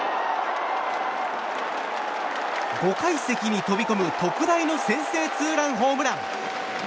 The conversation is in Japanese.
５階席に飛び込む特大の先制ツーランホームラン。